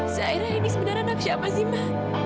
zaira ini sebenarnya anak siapa sih ma